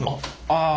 ああ。